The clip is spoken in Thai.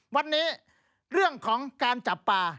วันนี้เรื่องของการจับปลา